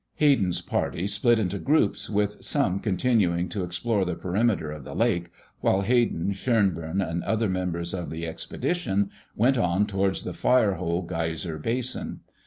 ] Hayden's party split into groups, with some continuing to explore the perimeter of the lake, while Hayden, Schoenborn and other members of the expedition went on toward the Firehole Geyser Basin.